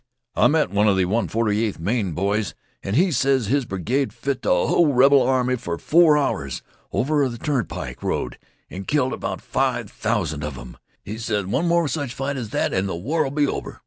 "I met one of th' 148th Maine boys an' he ses his brigade fit th' hull rebel army fer four hours over on th' turnpike road an' killed about five thousand of 'em. He ses one more sech fight as that an' th' war 'll be over."